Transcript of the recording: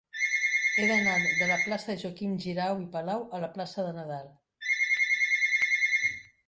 He d'anar de la plaça de Joaquim Xirau i Palau a la plaça de Nadal.